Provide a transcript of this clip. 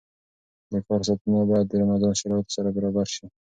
د کار ساعتونه باید د رمضان شرایطو سره برابر شي.